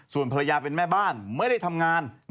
ส่วนภรรยาเป็นแม่บ้านไม่ได้ทำงาน